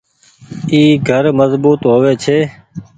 اي گهر مزبوت هووي ڇي